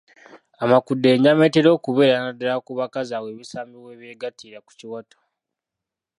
Amakudde y’ennyama etera okubeera naddala ku bakazi awo ebisambi we byegattira ku kiwato.